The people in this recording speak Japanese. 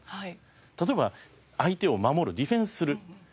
例えば相手を守るディフェンスする。